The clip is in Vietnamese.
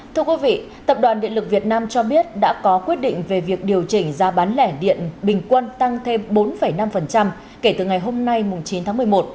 thưa quý vị tập đoàn điện lực việt nam cho biết đã có quyết định về việc điều chỉnh giá bán lẻ điện bình quân tăng thêm bốn năm kể từ ngày hôm nay chín tháng một mươi một